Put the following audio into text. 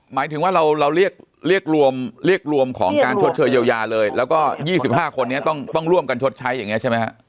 หมายถึงว่าเราเรียกรวมของการชดเชยเยียวยาเลยแล้วก็๒๕คนนี้ต้องร่วมกันชดใช้อย่างนี้ใช่ไหมฮะ